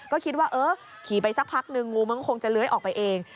ก็คิดว่าเออขี่ไปสักพักนึงงูมันก็คงจะเลื้อยออกไปเอง